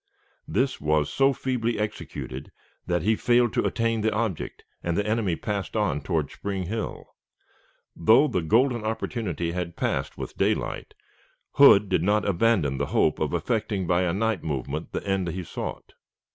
This was so feebly executed that he failed to attain the object, and the enemy passed on toward Spring Hill. Though the golden opportunity had passed with daylight, Hood did not abandon the hope of effecting by a night movement the end he sought.